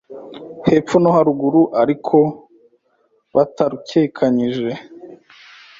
hepfo no haruguru ariko batarurekanyije